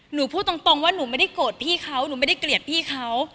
หนูพูดตรงว่าหนูไม่ได้โกรธพี่เขาหนูไม่ได้เกลียดพี่เขา